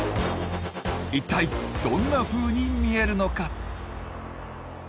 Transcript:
一体どんなふうに見えるのか？